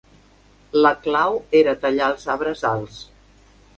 La clau era "tallar els arbres alts".